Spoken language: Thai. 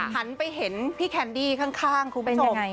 หันไปเห็นพี่แคนดี้ข้างคุณผู้ชม